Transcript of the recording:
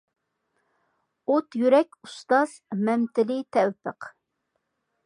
ئوت يۈرەك ئۇستاز مەمتىلى تەۋپىق.